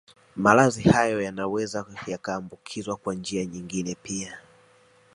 Maradhi hayo yanaweza yakaambukizwa kwa njia nyingine pia